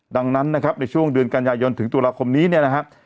ดังนั้นในช่วงเดือนกันยายนถึงตุลาคมนี้นะครับ